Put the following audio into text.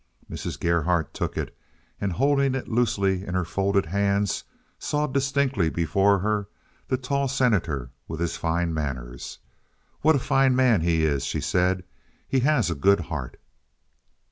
Mrs. Gerhardt took it, and holding it loosely in her folded hands, saw distinctly before her the tall Senator with his fine manners. "What a fine man he is!" she said. "He has a good heart."